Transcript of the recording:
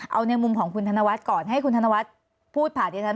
เอาในมุมของคุณธนวัฒน์ก่อนให้คุณธนวัฒน์พูดผ่านดิฉัน